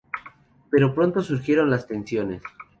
Pero pronto surgieron las tensiones.